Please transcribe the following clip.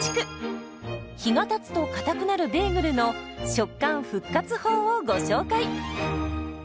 日がたつとかたくなるベーグルの食感復活法をご紹介。